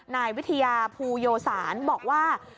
นายวิทยาภูโยสารบอกว่า